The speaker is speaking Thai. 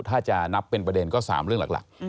ถ้าจะนับเป็นประเด็นก็๓เรื่องหลัก